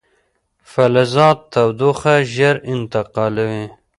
فلزات تودوخه ژر انتقالوي.